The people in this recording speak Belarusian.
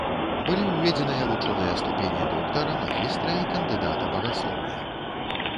Былі ўведзеныя вучоныя ступені доктара, магістра і кандыдата багаслоўя.